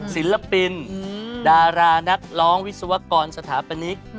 ศิลปินดารานักร้องวิศวกรสถาปนิก